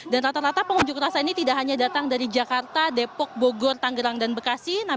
dan rata rata pengunjuk rasa ini tidak hanya datang dari jakarta depok bogor tangerang dan bekasi